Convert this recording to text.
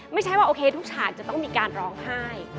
ไม่ใช่ว่าโอเคทุกฉากจะต้องมีการร้องไห้